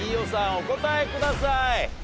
お答えください。